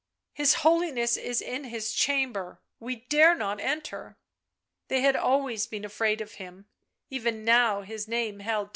" His Holiness is in his chamber — we dare not enter." They had always been afraid of him ; even now his name held terror.